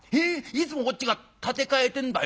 いつもこっちが立て替えてんだよ。